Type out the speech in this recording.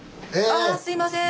あらすいません。